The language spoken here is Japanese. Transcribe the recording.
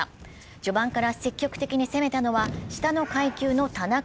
序盤から積極的に攻めたのは下の階級の田中。